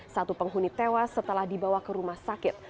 satu penghuni tewas setelah dibawa ke rumah sakit